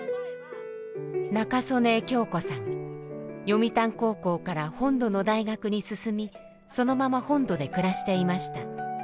読谷高校から本土の大学に進みそのまま本土で暮らしていました。